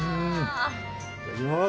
いただきます。